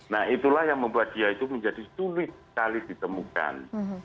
nah itulah yang membuat dia itu menjadi sulit sekali ditemukan